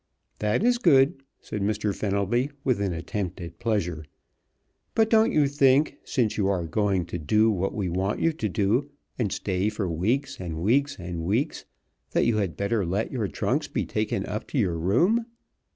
"That is good," said Mr. Fenelby, with an attempt at pleasure. "But don't you think, since you are going to do what we want you to do, and stay for weeks, and weeks, and weeks, that you had better let your trunks be taken up to your room?